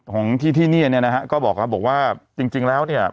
ของที่ที่เนี่ยเนี่ยนะฮะก็บอกแล้วบอกว่าจริงจริงแล้วเนี่ย